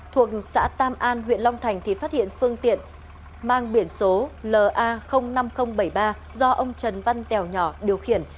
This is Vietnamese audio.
thuộc xã tam an huyện long thành thì phát hiện phương tiện mang biển số la năm nghìn bảy mươi ba do ông trần văn tèo nhỏ điều khiển